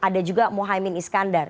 ada juga mohaimin iskandar